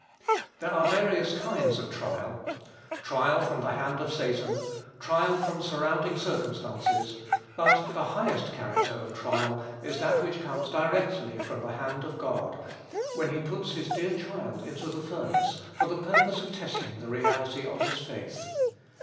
There are various kinds of trial: trial from the hand of Satan; trial from surrounding circumstances; but the highest character of trial is that which comes directly from the hand of God, when he puts his dear child into the furnace for the purpose of testing the reality of his faith.